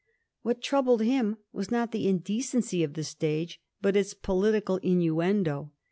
What troubled him was not the indecency of the stage, but its political in nuendo.